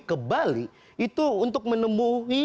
ke bali itu untuk menemui